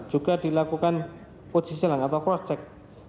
juga dilakukan uji silang atau cross check